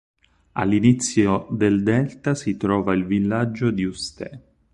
All'inizio del delta si trova il villaggio di Ust'e.